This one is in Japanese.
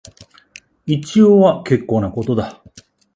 一応は結構なことだ